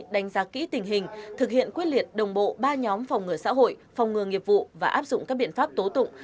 đánh giá kỹ tình hình thực hiện quyết liệt đồng bộ ba nhóm phòng ngừa xã hội phòng ngừa nghiệp vụ và áp dụng các biện pháp tố tụng